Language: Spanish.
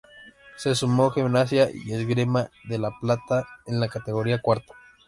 Se sumó a Gimnasia y Esgrima de La Plata en la categoría Cuarta.